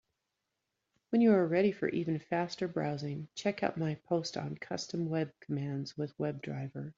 When you are ready for even faster browsing, check out my post on Custom web commands with WebDriver.